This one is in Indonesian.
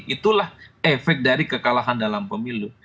itulah efek dari kekalahan dalam pemilu